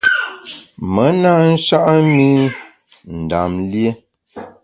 Me na sha’a mi Ndam lié.